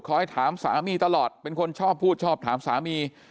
ให้ถามสามีตลอดเป็นคนชอบพูดชอบถามสามี